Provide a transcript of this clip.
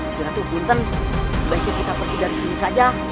gusti ratu gunten sebaiknya kita pergi dari sini saja